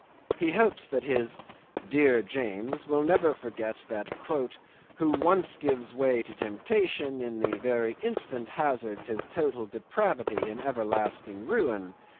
He hopes his "dear James" will never forget that "who once gives way to temptation, in the very instant hazards his total depravity and everlasting ruin.